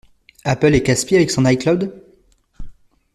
Apple est casse pied avec son icloud?